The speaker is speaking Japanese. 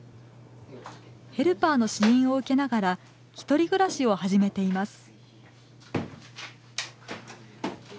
ヘルパーの支援を受けながら１人暮らしを始めています。